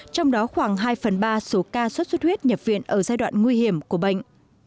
trong đó khoảng hai phần ba số ca xuất xuất huyết nhập viện ở giai đoạn nguy hiểm của bệnh